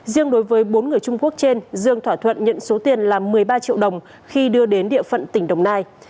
riêng đối với bốn người trung quốc trên dương thỏa thuận nhận số tiền là một mươi ba triệu đồng khi đưa đến địa phận tỉnh đồng nai